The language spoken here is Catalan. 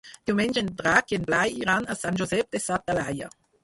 Diumenge en Drac i en Blai iran a Sant Josep de sa Talaia.